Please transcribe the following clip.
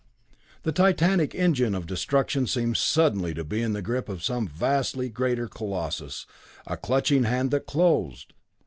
The titanic engine of destruction seemed suddenly to be in the grip of some vastly greater Colossus a clutching hand that closed!